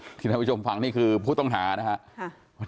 ท่านผู้ชมฟังนี่คือผู้ต้องหานะครับ